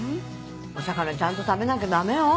お魚ちゃんと食べなきゃダメよ。